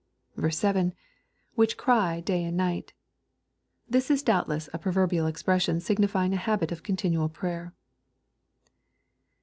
—[ Whi(^ cry day and night] This is doubtless a proverbial ex pression, signifying a habit of continual prayer.